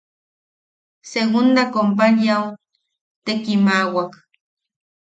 Segunda Companyiau te kimaʼawak.